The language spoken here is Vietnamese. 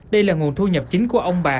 đây là nguồn thu nhập chính của ông bà